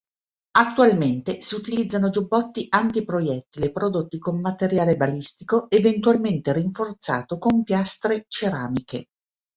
Attualmente si utilizzano giubbotti antiproiettile prodotti con materiale balistico eventualmente rinforzato con piastre ceramiche.